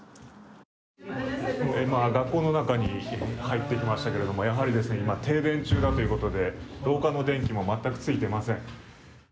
学校の中に入ってきましたけれども、やはり停電中だということで廊下の電気も全くついていません。